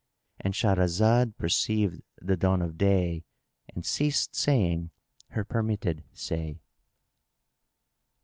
——And Shahrazad perceived the dawn of day and ceased saying her permitted say.